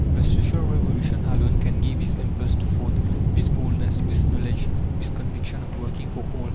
The Social Revolution alone can give this impulse to thought, this boldness, this knowledge, this conviction of working for all.